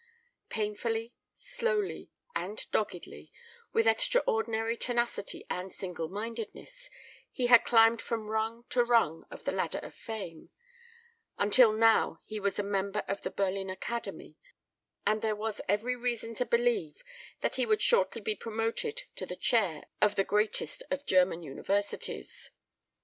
Painfully, slowly, and doggedly, with extraordinary tenacity and single mindedness, he had climbed from rung to rung of the ladder of fame, until now he was a member of the Berlin Academy, and there was every reason to believe that he would shortly be promoted to the Chair of the greatest of German Universities.